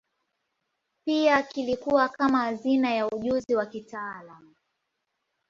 Pia kilikuwa kama hazina ya ujuzi wa kitaalamu.